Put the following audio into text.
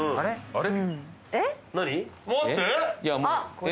あれ？